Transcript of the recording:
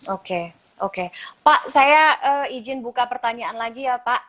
oke oke pak saya izin buka pertanyaan lagi ya pak